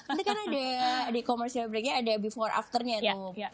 nanti kan ada di commercial breaknya ada before afternya tuh